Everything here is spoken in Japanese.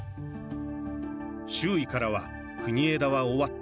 周囲からは「国枝は終わった」